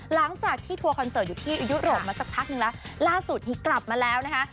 หลังจากที่ทัวร์คอนเสิร์ตอยู่ที่ยุโรปมาสักพักนึงแล้วล่าสุดนี้กลับมาแล้วนะคะ